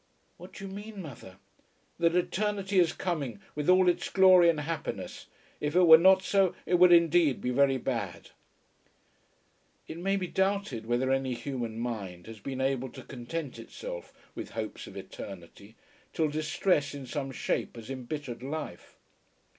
"What do you mean, mother?" "That eternity is coming, with all its glory and happiness. If it were not so, it would, indeed, be very bad." It may be doubted whether any human mind has been able to content itself with hopes of eternity, till distress in some shape has embittered life.